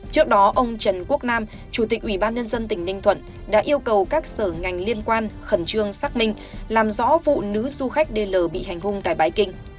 trước đó ông trần quốc nam chủ tịch ubnd tỉnh ninh thuận đã yêu cầu các sở ngành liên quan khẩn trương xác minh làm rõ vụ nữ du khách dl bị hành hung tại bái kinh